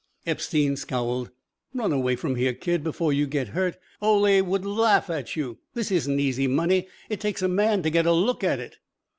Epstein scowled. "Run away from here, kid, before you get hurt. Ole would laugh at you. This isn't easy money. It takes a man to get a look at it."